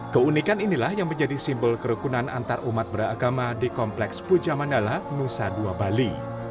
keunikan inilah yang menjadi simbol kerukunan antarumat beragama di kompleks puja mandala nusa dua bali